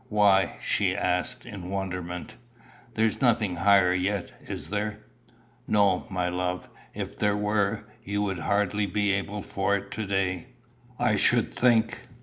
"Why?" she asked, in wonderment. "There's nothing higher yet, is there?" "No, my love. If there were, you would hardly be able for it to day, I should think.